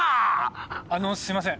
あのすいません